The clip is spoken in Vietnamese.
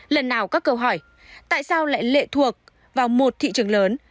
lần nào các câu hỏi tại sao lại lệ thuộc vào một thị trường lớn